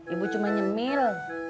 ibu cuma nyemil